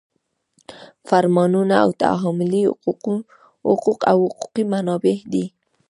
فرمانونه او تعاملي حقوق هم حقوقي منابع دي.